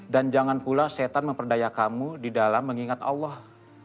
dan jangan pula setan memperdaya kamu di dalam mengingat allah